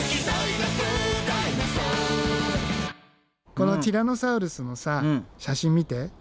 このティラノサウルスのさ写真見て。